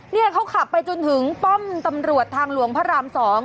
เนี่ยเขาขับไปจนถึงป้อมตำรวจทางหลวงพระราม๒